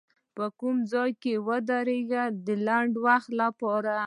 که کوم ځای کې ودرېږي د لنډ وخت لپاره